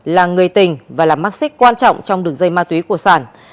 là người tình và là mắt xích quan trọng trong đường dây ma túy của sản